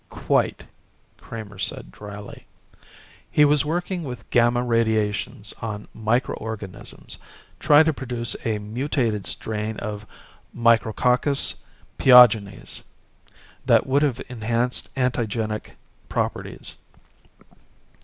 "Quite," Kramer said dryly. "He was working with gamma radiations on microorganisms, trying to produce a mutated strain of Micrococcus pyogenes that would have enhanced antigenic properties."